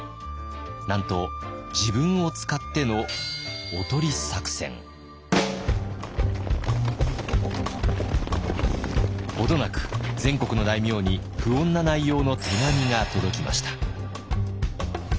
なんと自分を使っての程なく全国の大名に不穏な内容の手紙が届きました。